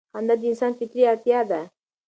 خندا د انسان فطري اړتیا ده.